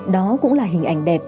đó cũng là hình ảnh đẹp